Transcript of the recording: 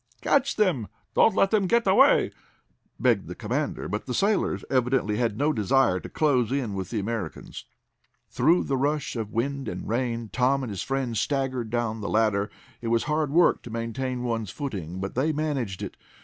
"Catch them! Don't let them get away!" begged the commander, but the sailors evidently had no desire to close in with the Americans. Through the rush of wind and rain Tom and his friends staggered down the ladder. It was hard work to maintain one's footing, but they managed it.